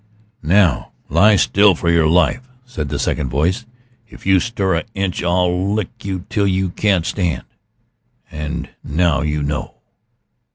"Now lie still for your life!" said the second voice. "If you stir a inch I'll lick you till you can't stand! And now you know."